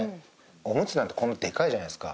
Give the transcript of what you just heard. オムツなんてこんなでかいじゃないですか。